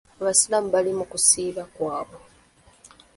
Abasiraamu bali mu kisiibo kyabwe.